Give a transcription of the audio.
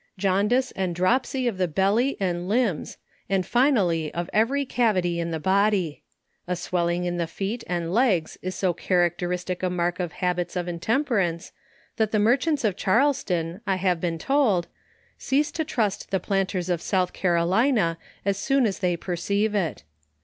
Jaundice and dropsy of the belly and limbs, and fi nally of every cavity in the body. A swelling in the feet AUDENT SPIRITS. 5 and legs is so characteristic a mark of habits of intem perance, that the merchants in Charleston, I have been told, cease to trust the planters of South Carolina, as soon as they perceive it.